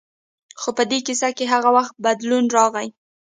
خو په دې کیسه کې هغه وخت بدلون راغی.